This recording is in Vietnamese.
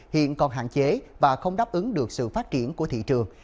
hiện còn hạn chế và không đáp ứng được sự phát triển của thị trường